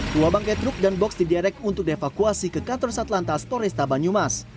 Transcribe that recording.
dua bangkai truk dan box diderek untuk dievakuasi ke kantor satlantas toreta banyumas